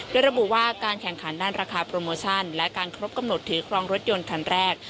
โดยระบุว่าการแข่งขันด้านราคาโปรโมชั่นและการครบกำหนดถือครองรถยนต์คันแรก